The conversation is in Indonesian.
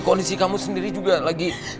kondisi kamu sendiri juga lagi